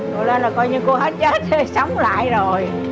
cô lên là coi như cô hết chết rồi sống lại rồi